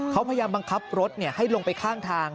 เขาพยายามบังคับรถให้ลงไปข้างทาง